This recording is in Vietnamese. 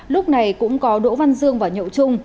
lúc này cũng có đỗ văn dương và nhậu trung